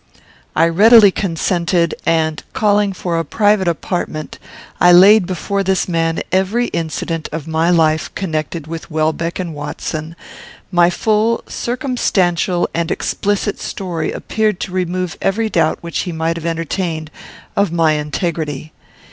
I readily consented, and, calling for a private apartment, I laid before this man every incident of my life connected with Welbeck and Watson; my full, circumstantial, and explicit story appeared to remove every doubt which he might have entertained of my integrity.